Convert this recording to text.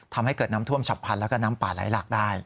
ทำให้เกิดน้ำท่วมฉับพันธ์แล้วก็น้ำป่าไหลหลากได้